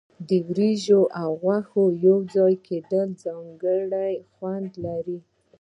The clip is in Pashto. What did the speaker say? د وریجې او غوښې یوځای کول ځانګړی خوند لري.